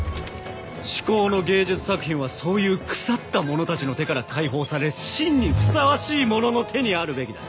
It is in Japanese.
至高の芸術作品はそういう腐った者たちの手から解放され真にふさわしい者の手にあるべきだ！